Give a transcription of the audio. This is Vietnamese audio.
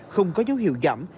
không có dấu hiệu giảm